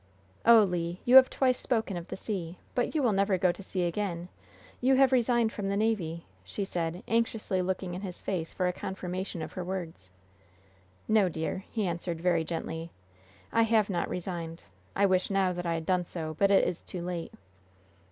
"Oh, Le, you have twice spoken of the sea! But you will never go to sea again! You have resigned from the navy," she said, anxiously looking in his face for a confirmation of her words. "No, dear," he answered, very gently. "I have not resigned. I wish now that I had done so, but it is too late."